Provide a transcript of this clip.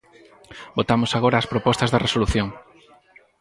Votamos agora as propostas de resolución.